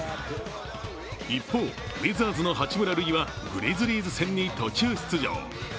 一方、ウィザーズの八村塁はグリズリーズ戦に途中出場。